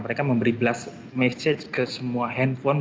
mereka memberi blast message ke semua handphone